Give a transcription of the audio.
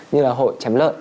như là hội chém lợn